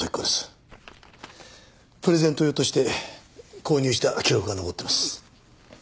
プレゼント用として購入した記録が残ってます。